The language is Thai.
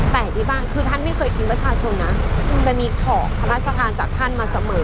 แต่ที่บ้านคือท่านไม่เคยทิ้งประชาชนนะจะมีของพระราชทานจากท่านมาเสมอ